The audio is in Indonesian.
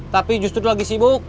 tapi justru lagi sibuk